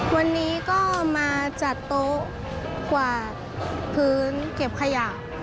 วันนี้ก็มาจัดโต๊ะกวาดพื้นเก็บขยะ